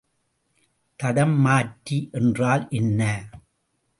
தடம் மாற்றி என்றால் என்ன?